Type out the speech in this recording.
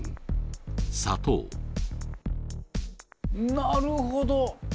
なるほど。